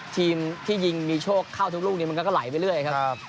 ทีมที่ยิงมีโชคเข้าทุกลูกนี้มันก็ไหลไปเรื่อยครับ